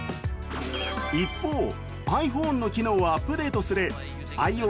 一方、ｉＰｈｏｎｅの機能をアップデートする